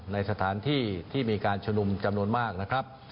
ในสถานที่ที่มีการชุมนุมจำนวนมากนะครับ